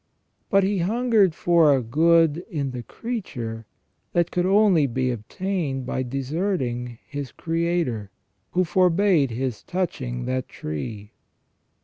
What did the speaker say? But he hungered for a good in the creature that could only be obtained by deserting his Creator, who forbade his touching that tree.